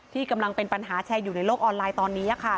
ที่กำลังเป็นปัญหาแชร์อยู่ในโลกออนไลน์ตอนนี้ค่ะ